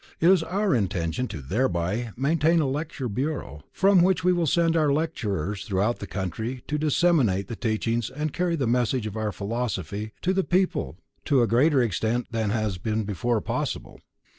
It is our intention to thereby maintain a Lecture Bureau, from which we will send our lecturers throughout the country to disseminate the teachings and carry the message of our philosophy to the people to a greater extent than has before been possible.